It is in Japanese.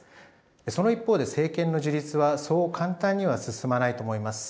その一方で、政権の樹立はそう簡単には進まないと思います。